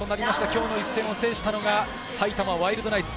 今日の一戦を制したのが埼玉ワイルドナイツ。